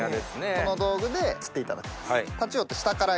この道具で釣っていただくんです。